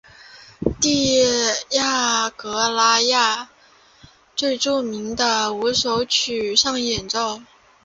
蒂亚格拉贾最著名的五首曲上演奏。